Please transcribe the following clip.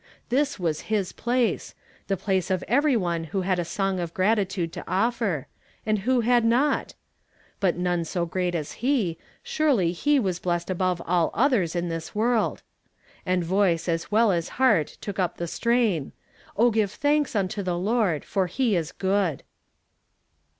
This was his place; the i)la(!e of every one who had a song of gratitude to offer ; and who had not? But none so great as he; surely he was blessed above all others in this world ! And voice as well as heart took up the strain :" O give thanks unto the Lord ; for he is good."